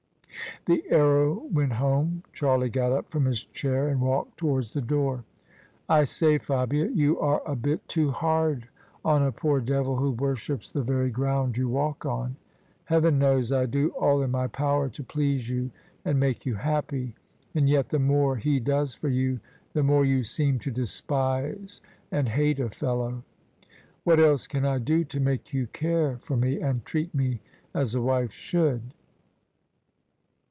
The arrow went home. Charlie gpt up from his chair and walked towards the door. "I say, Fabia, you are a bit too hard on a poor devil who worships the very ground you walk on. Heaven knows I do all in my power to please you and make you happy: and yet the more he does for you the more you seem to despise and hate a fellow! What else can I do to make you care for me and treat me as a wife should?"